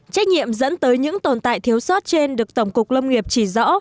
trách nhiệm dẫn tới những tồn tại thiếu sót trên được tổng cục lâm nghiệp chỉ rõ